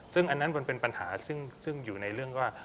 ซึ่งอันนั้นมันเป็นปัญหาซึ่งอยู่ในเรื่องว่า